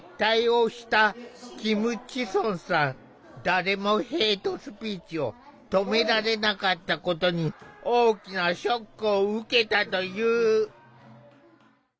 誰もヘイトスピーチを止められなかったことに大きなショックを受けたという。